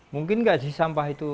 mungkin nggak sih sampah itu